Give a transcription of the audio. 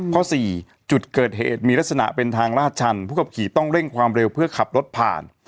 ข้อสี่จุดเกิดเหตุมีลักษณะเป็นทางลาดชันผู้ขับขี่ต้องเร่งความเร็วเพื่อขับรถผ่าน